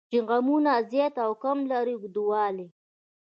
چې غمونه زیات او کم لري اوږدوالی.